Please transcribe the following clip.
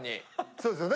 そうですよね。